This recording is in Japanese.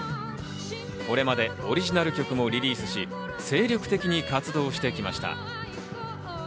これまでオリジナル曲もリリースし精力的に活動してきました。